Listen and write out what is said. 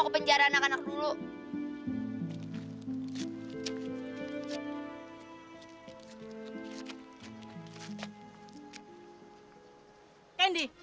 kalau misalnya kita disini